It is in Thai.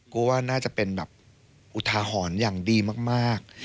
ว่าน่าจะเป็นแบบอุทาหรณ์อย่างดีมาก